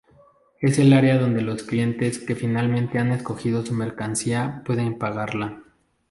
Es el área donde los clientes que finalmente han escogido su mercancía, pueden pagarla.